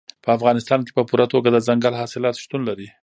په افغانستان کې په پوره توګه دځنګل حاصلات شتون لري.